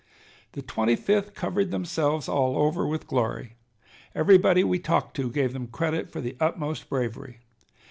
The Twenty fifth covered themselves all over with glory. Everybody we talked to gave them credit for the utmost bravery.